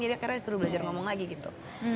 jadi akhirnya disuruh belajar ngomong lagi gitu